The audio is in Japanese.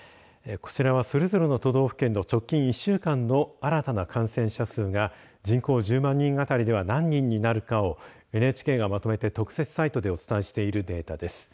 こちらは、それぞれの都道府県の直近１週間の新たな感染者数が人口１０万人あたりでは何人になるかをＮＨＫがまとめて特設サイトでお伝えしているデータです。